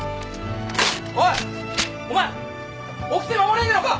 おいお前おきて守れねえのか。